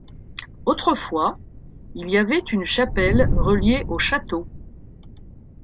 Autrefois il y avait une chapelle reliée au château.